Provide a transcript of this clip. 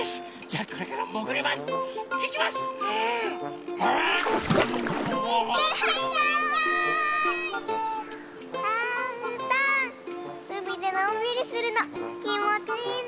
あうーたんうみでのんびりするのきもちいいね。